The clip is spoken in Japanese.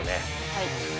はい。